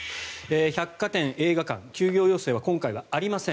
百貨店、映画館休業要請は今回はありません。